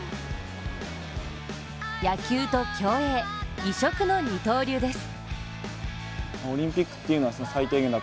野球と競泳、異色の二刀流です。